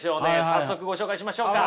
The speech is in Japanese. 早速ご紹介しましょうか。